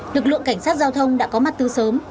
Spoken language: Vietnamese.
lực lượng cảnh sát giao thông đã có mặt từ sớm